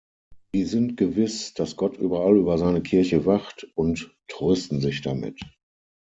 Sie sind gewiss, dass Gott überall über seine Kirche wacht, und trösten sich damit.